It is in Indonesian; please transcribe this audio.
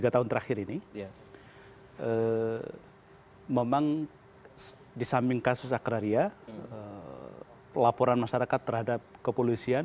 tiga tahun terakhir ini memang di samping kasus akraria laporan masyarakat terhadap kepolisian